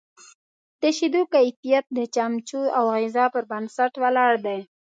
د شیدو کیفیت د چمچو او غذا پر بنسټ ولاړ دی.